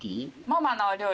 ママのお料理